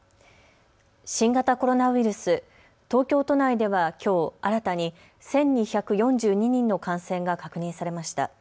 新型コロナウイルス、東京都内ではきょう新たに１２４２人の感染が確認されました。